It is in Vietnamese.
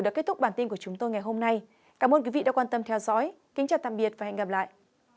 cảm ơn các bạn đã theo dõi và hẹn gặp lại